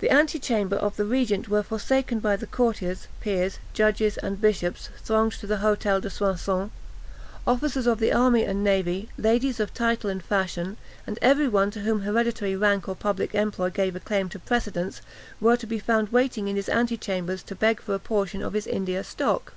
The ante chambers of the regent were forsaken by the courtiers, Peers, judges, and bishops thronged to the Hôtel de Soissons; officers of the army and navy, ladies of title and fashion, and every one to whom hereditary rank or public employ gave a claim to precedence, were to be found waiting in his ante chambers to beg for a portion of his India stock.